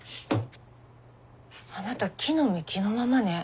あなた着のみ着のままね。